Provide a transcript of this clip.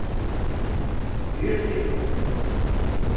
lícito